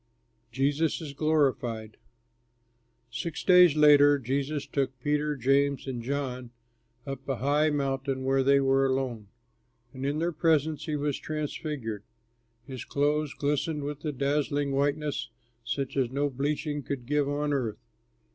JESUS IS GLORIFIED Six days later Jesus took Peter, James and John up a high mountain where they were alone, and in their presence he was transfigured. His clothes glistened with a dazzling whiteness such as no bleaching could give on earth.